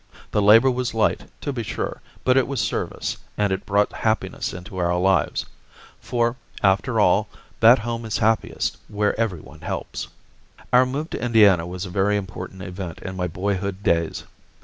The labor was light, to be sure, but it was service, and it brought happiness into our lives. For, after all, that home is happiest where every one helps. Our move to Indiana was a very important event in my boyhood days.